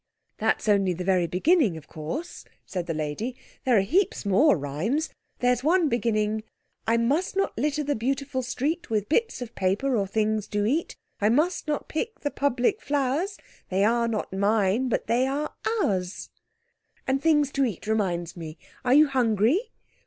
"That's only the very beginning, of course," said the lady; "there are heaps more rhymes. There's the one beginning— "I must not litter the beautiful street With bits of paper or things to eat; I must not pick the public flowers, They are not mine, but they are ours." "And 'things to eat' reminds me—are you hungry?